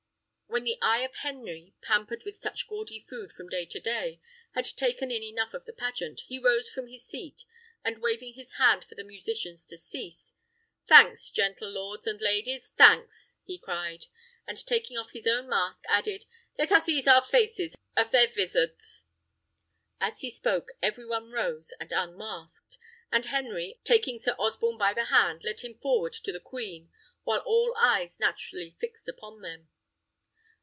When the eye of Henry, pampered with such gaudy food from day to day, had taken in enough of the pageant, he rose from his seat, and waving his hand for the musicians to cease, "Thanks, gentle lords and ladies; thanks!" he cried; and taking off his own mask, added, "Let us ease our faces of their vizards." As he spoke, every one rose and unmasked; and Henry, taking Sir Osborne by the hand, led him forward to the queen, while all eyes naturally fixed upon him.